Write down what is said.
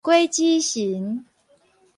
果子蠅